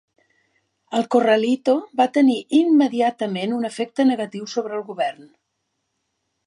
El corralito va tenir immediatament un efecte negatiu sobre el govern.